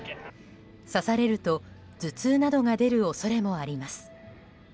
刺されると頭痛などが出る恐れもあります。